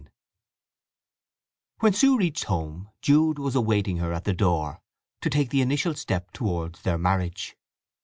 III When Sue reached home Jude was awaiting her at the door to take the initial step towards their marriage.